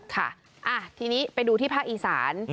ค่ะทีนี้ไปดูที่ภาคอีสาน